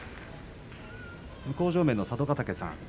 向正面の佐渡ヶ嶽さん